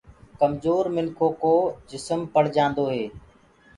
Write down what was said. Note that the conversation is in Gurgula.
ڪمجور منکُو ڪو جسم پݪ جآندو هي۔